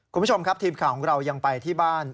คุณผู้ชมครับทีมข่าวของเรายังไปที่บ้าน